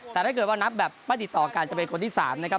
แต่ถ้าเกิดว่านับแบบไม่ติดต่อกันจะเป็นคนที่๓นะครับ